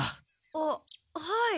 あっはい。